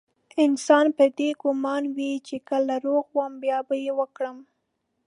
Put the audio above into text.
انسان په دې ګمان وي چې کله روغ وم بيا به يې وکړم.